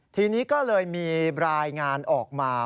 ทีนี้ก็เลยมีรายงานออกมา